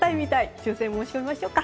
抽選、申し込みましょうか。